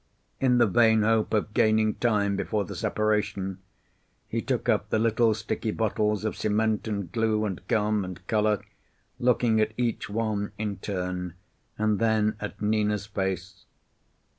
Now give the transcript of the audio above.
In the vain hope of gaining time before the separation, he took up the little sticky bottles of cement and glue and gum and colour, looking at each one in turn, and then at Nina's face.